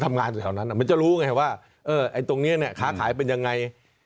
ทำงานอยู่แถวนั้นมันจะรู้ไงว่าไอ้ตรงนี้เนี่ยค้าขายเป็นยังไง